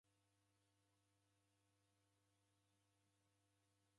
Oremida mwanape wa imbiri.